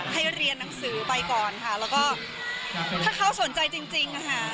ให้เรียนหนังสือไปก่อนค่ะแล้วก็ถ้าเขาสนใจจริงนะคะ